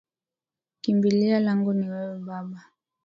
Kimbilio langu ni wewe baba